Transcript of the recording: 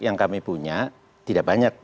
yang kami punya tidak banyak